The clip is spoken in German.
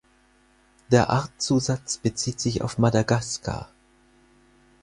Der Artzusatz bezieht sich auf Madagaskar.